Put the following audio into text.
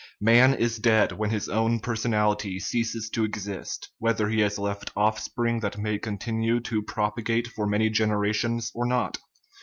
Man is dead when his own personality ceases to exist, whether he has left offspring that they may continue to propagate for many generations or not.